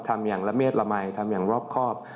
ทำอย่างละเมดละมัยทำอย่างรอบครอบ